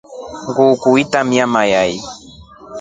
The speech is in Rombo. Nguku ewamia mayai.